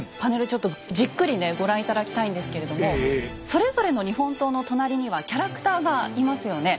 ちょっとじっくりご覧頂きたいんですけれどもそれぞれの日本刀の隣にはキャラクターがいますよね。